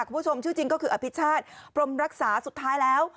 คุณผู้ชมชื่อจริงก็คืออภิชาติพรมรักษาสุดท้ายแล้ว